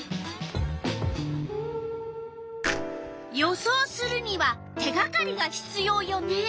予想するには手がかりがひつようよね。